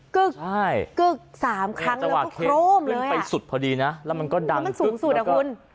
กึ๊กกึ๊กสามครั้งแล้วก็โคร่มเลยอ่ะอืมมันสูงสุดอ่ะคุณ